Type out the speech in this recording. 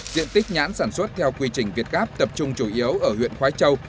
diện tích nhãn sản xuất theo quy trình việt gáp tập trung chủ yếu ở huyện khói châu